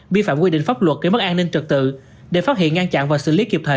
vi phạm quy định pháp luật gây mất an ninh trật tự để phát hiện ngăn chặn và xử lý kịp thời